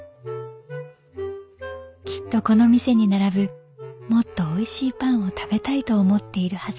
「きっとこの店に並ぶもっとおいしいパンを食べたいと思っているはず」。